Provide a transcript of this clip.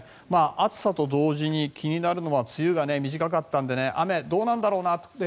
暑さと同時に気になるのは梅雨が短かったので雨、どうなんだろうなって。